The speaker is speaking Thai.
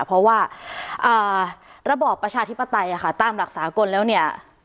เพราะว่าระบอบประชาธิปไตยตามหลักสากลแล้วเนี่ย